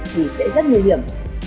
thì sẽ rất nguy hiểm